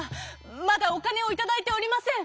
まだおかねをいただいておりません。